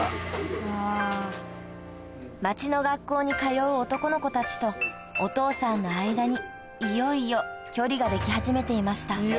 街の学校に通う男の子たちとお父さんの間にいよいよ距離ができ始めていました